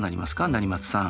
成松さん。